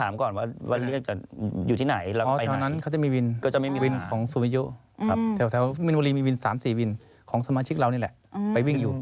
แล้วต้องบอกเขาก่อนไหมไปไหนเขาต้องตัดสินใจก่อนไหม